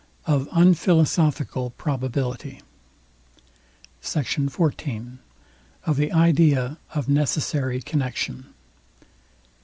OF UNPHILOSOPHICAL PROBABILITY. SECT. XIV. OF THE IDEA OF NECESSARY CONNECTION.